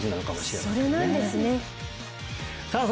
それなんですねさあ